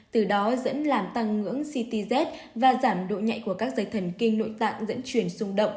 từ đó dẫn làm tăng ngưỡng ctz và giảm độ nhạy của các dây thần kinh nội tạng dẫn chuyển xung động